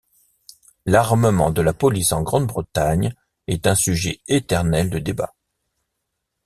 L'armement de la police en Grande-Bretagne est un sujet éternel de débat.